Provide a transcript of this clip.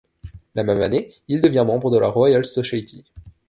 La même année il devient membre de la Royal Society.